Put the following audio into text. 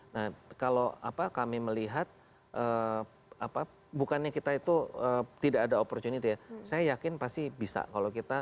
nah kalau kami melihat bukannya kita itu tidak ada opportunity saya yakin pasti bisa